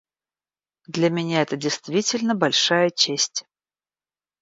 Для меня это, действительно, большая честь.